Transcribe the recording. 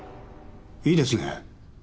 いいですね。